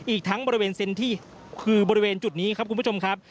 อีกทั้งบริเวณเซ็นที่คือบริเวณจุดนี้ครับคุณผู้ชมครับ